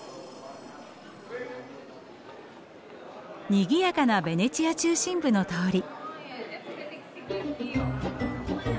にぎやかなベネチア中心部の通り。